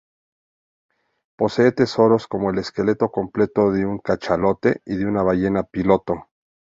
Posee tesoros como el esqueleto completo de un cachalote y de una ballena piloto.